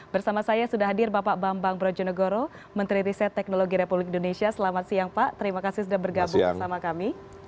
bersama saya sudah hadir bapak bambang brojonegoro menteri riset teknologi republik indonesia selamat siang pak terima kasih sudah bergabung bersama kami